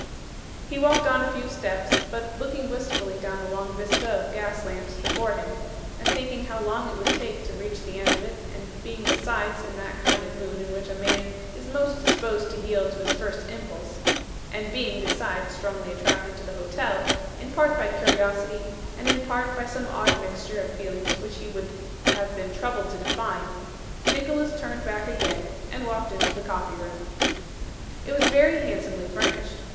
He walked on a few steps, but looking wistfully down the long vista of gas lamps before him, and thinking how long it would take to reach the end of it and being besides in that kind of mood in which a man is most disposed to yield to his first impulse and being, besides, strongly attracted to the hotel, in part by curiosity, and in part by some odd mixture of feelings which he would have been troubled to define Nicholas turned back again, and walked into the coffee room. It was very handsomely furnished.